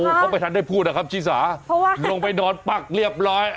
เขาไม่ทันได้พูดนะครับชิสาเพราะว่าลงไปนอนปั๊กเรียบร้อย